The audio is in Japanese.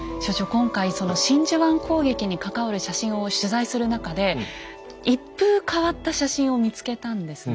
今回真珠湾攻撃に関わる写真を取材する中で一風変わった写真を見つけたんですね。